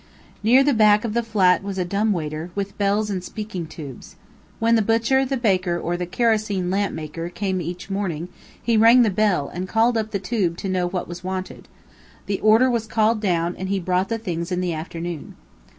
Near the back of the flat was a dumb waiter, with bells and speaking tubes. When the butcher, the baker, or the kerosene lamp maker, came each morning, he rang the bell, and called up the tube to know what was wanted. The order was called down, and he brought the things in the afternoon.